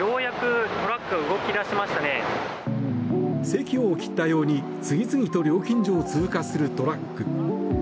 せきを切ったように次々と料金所を通過するトラック。